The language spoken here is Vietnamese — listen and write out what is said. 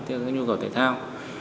tức là nhu cầu thể thao